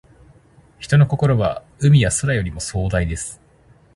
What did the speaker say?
人の心は、海や空よりも壮大です。